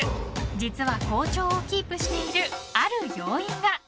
実は好調をキープしているある要因が。